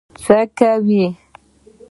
څه کوې؟